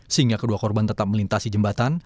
sehingga kedua korban tetap melintasi jembatan